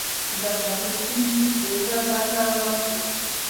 ګټه اخیستونکي ترې ښه ګټه واخلي.